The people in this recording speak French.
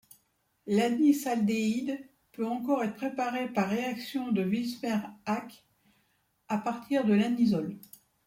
L'anisaldéhyde peut encore être préparé par réaction de Vilsmeier-Haack à partir de l'anisole.